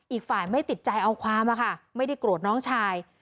อีกฝ่ายไม่ติดใจเอาความอะค่ะไม่ได้โกรธน้องชาย